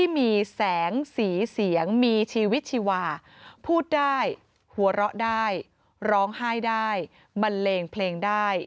มีชีวิตชีวาพูดได้หัวเราะได้ร้องไห้ได้มันเล่งเพลงได้